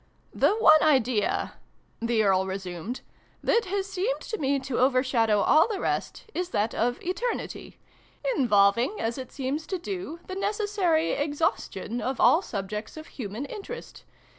"The one idea," the Earl resumed, "that has seemed to me to overshadow all the rest, is that of Eternity involving, as it seems to do, the necessary exhaustion of all subjects of human interest.